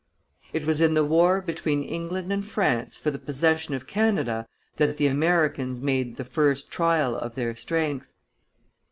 It was in the war between England and France for the possession of Canada that the Americans made the first trial of their strength.